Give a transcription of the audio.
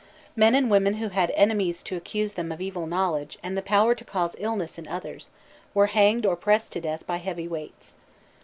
_ Men and women who had enemies to accuse them of evil knowledge and the power to cause illness in others, were hanged or pressed to death by heavy weights.